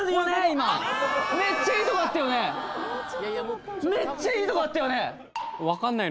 今めっちゃいいとこだったよね